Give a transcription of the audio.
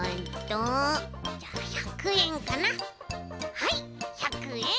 はい１００えん。